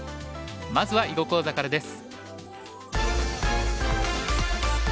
まずは囲碁講座からです。